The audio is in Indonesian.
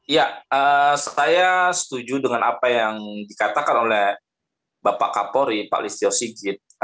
ya saya setuju dengan apa yang dikatakan oleh bapak kapolri pak listio sigit